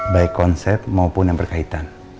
baik konsep maupun yang berkaitan